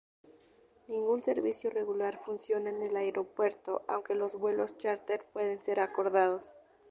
Ningún servicio regular funciona en el aeropuerto, aunque los vuelos chárter pueden ser acordados.